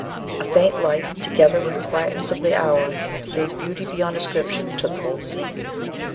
A faint light, together with the quietness of the hour, gave beauty beyond description to the whole scene.